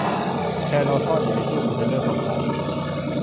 แครอลซ่อนอยู่ในตู้คอนเทนเนอร์ส่งของ